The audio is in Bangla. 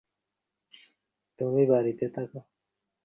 খুব জানি গো খুব জানি।